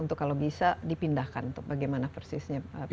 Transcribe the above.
untuk kalau bisa dipindahkan bagaimana persisnya pak